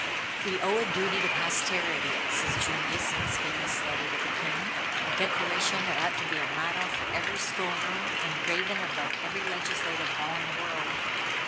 "We owe a duty to posterity," says Junius in his famous letter to the king. A declaration that ought to be a motto for every schoolroom, and graven above every legislative hall in the world.